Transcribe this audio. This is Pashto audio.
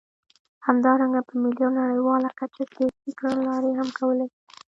همدارنګه په ملي او نړیواله کچه سیاسي کړنلارې هم کولای شي.